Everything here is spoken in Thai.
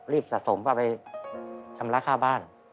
รีบสะสมไปชำระค่าบ้าน